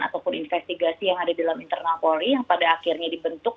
ataupun investigasi yang ada di dalam internal polri yang pada akhirnya dibentuk